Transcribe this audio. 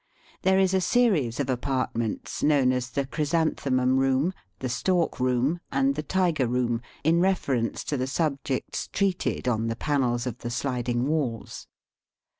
There is a series of apartments known as the chrysan themum room, the stork room, and the tiger room, in reference to the subjects treated on the panels of the sliding walls.